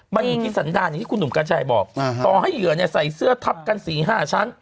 มันอยู่ที่สันดารอย่างที่คุณหนุ่มกัญชัยบอกต่อให้เหยื่อเนี่ยใส่เสื้อทับกัน๔๕ชั้น